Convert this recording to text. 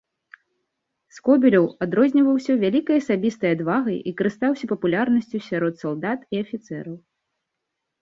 Скобелеў адрозніваўся вялікай асабістай адвагай і карыстаўся папулярнасцю сярод салдат і афіцэраў.